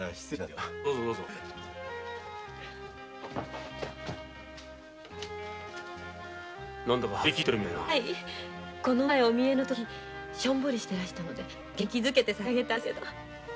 はいこの前お見えの時しょんぼりしてらしたので元気づけてさしあげたんですけど。